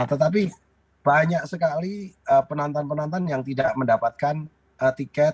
tetapi banyak sekali penonton penonton yang tidak mendapatkan tiket